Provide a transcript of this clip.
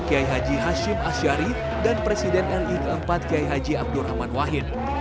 kiai haji hashim asyari dan presiden ri ke empat kiai haji abdurrahman wahid